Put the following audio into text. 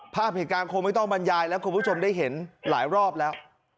ภาพเหตุการณ์คงไม่ต้องบรรยายแล้วคุณผู้ชมได้เห็นหลายรอบแล้ว